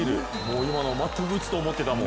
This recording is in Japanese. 今の全く打つと思ってたもん。